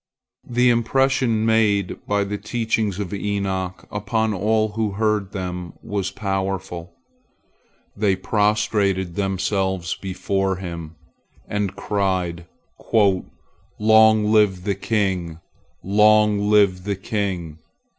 The impression made by the teachings of Enoch upon all who heard them was powerful. They prostrated themselves before him, and cried "Long live the king! Long live the king!"